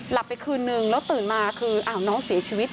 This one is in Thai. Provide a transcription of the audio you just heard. ไปคืนนึงแล้วตื่นมาคืออ้าวน้องเสียชีวิต